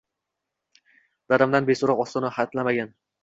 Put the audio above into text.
Dadamdan beso‘roq ostona hatlamagan.